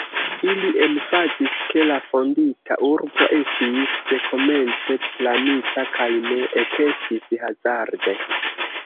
Ili emfazis, ke la fondita urbo estis dekomence planita kaj ne ekestis hazarde.